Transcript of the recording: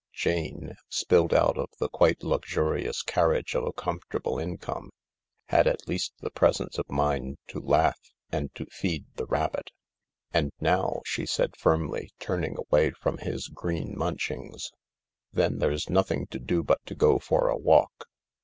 * Jane, spilled out of the quite luxurious carriage of a comfortable income, had at least the presence of mind to laugh and to feed the rabbit. "And now," she said firmly, turning away from his green munchings. "Then there's nothing to do but to go for a walk.